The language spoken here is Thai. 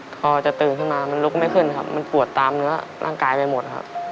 พอจะตื่นขึ้นมามันลุกไม่ขึ้นครับมันปวดตามเนื้อร่างกายไปหมดครับ